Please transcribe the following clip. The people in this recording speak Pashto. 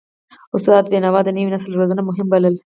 استاد بینوا د نوي نسل روزنه مهمه بلله.